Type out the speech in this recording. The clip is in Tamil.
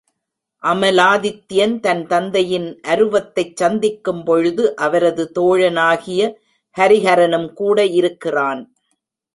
அமலாதித்யன் தன் தந்தையின் அருவத்தைச் சந்திக்கும்பொழுது அவரது தோழனாகிய ஹரிஹரனும் கூட இருக்கிறான்.